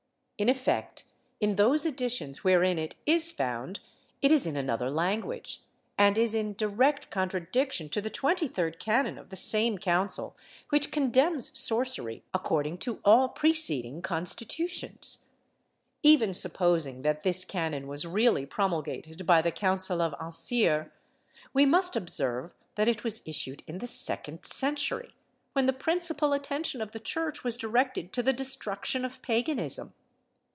In effect, in those editions wherein it is found, it is in another language, and is in direct contradiction to the twenty third canon of the same council, which condemns sorcery, according to all preceding constitutions. Even supposing that this canon was really promulgated by the Council of Ancyre, we must observe that it was issued in the second century, when the principal attention of the Church was directed to the destruction of paganism.